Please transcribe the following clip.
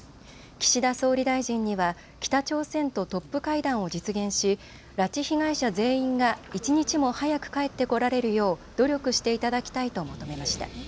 岸田総理大臣には北朝鮮とトップ会談を実現し拉致被害者全員が一日も早く帰って来られるよう努力していただきたいと求めました。